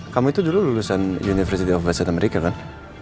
kamu itu dulu lulusan university of west america kan